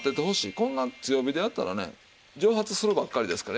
こんな強火でやったらね蒸発するばっかりですから。